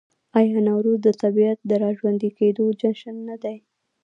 آیا نوروز د طبیعت د راژوندي کیدو جشن نه دی؟